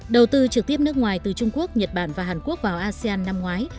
đầu tư trực tiếp nước ngoài từ trung quốc nhật bản và hàn quốc vào asean năm ngoái